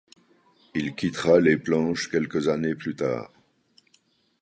Il quittera les planches quelques années plus tard.